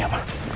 ya selamat siang